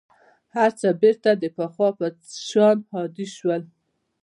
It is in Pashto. هر څه بېرته د پخوا په شان عادي شول.